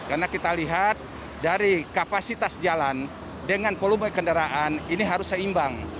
karena kita lihat dari kapasitas jalan dengan volume kendaraan ini harus seimbang